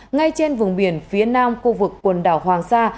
ngay trên vùng biển phía nam khu vực quần đảo hoàng sa